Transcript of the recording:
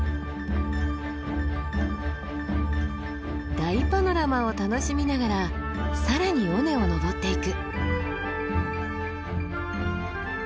大パノラマを楽しみながら更に尾根を登っていく。